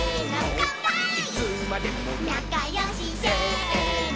「なかよし」「せーの」